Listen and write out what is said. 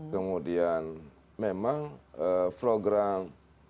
kemudian memang program